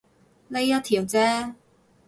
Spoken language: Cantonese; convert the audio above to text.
呢一條啫